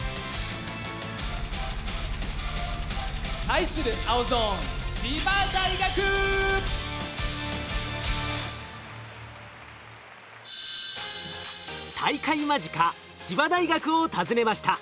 対する青ゾーン大会間近千葉大学を訪ねました。